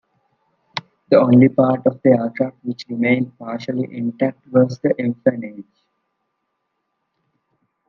The only part of the aircraft which remained partially intact was the empennage.